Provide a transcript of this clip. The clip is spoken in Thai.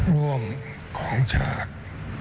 ร่วมของชาติ